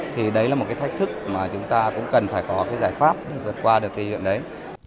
thì đấy là một thách thức mà chúng ta cũng cần phải có giải pháp vượt qua được kỷ niệm đấy